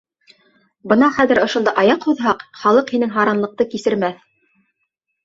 Бына хәҙер ошонда аяҡ һуҙһаҡ, халыҡ һинең һаранлыҡты кисермәҫ.